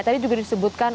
tadi juga disebutkan